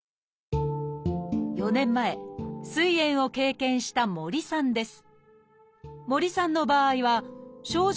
４年前すい炎を経験した森さんです。